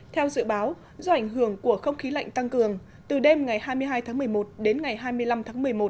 theo dự báo do ảnh hưởng của không khí lạnh tăng cường từ đêm ngày hai mươi hai tháng một mươi một đến ngày hai mươi năm tháng một mươi một